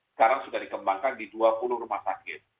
sekarang sudah dikembangkan di dua puluh rumah sakit